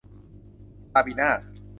ซาบีน่า